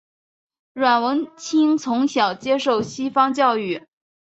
阮文清从小接受西方教育。